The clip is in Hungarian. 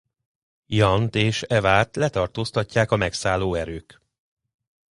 Jant és Evat letartóztatják a megszálló erők.